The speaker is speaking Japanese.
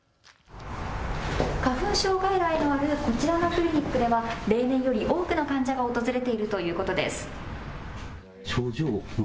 花粉症外来のあるこちらのクリニックでは例年のより多くの患者が訪れているということです。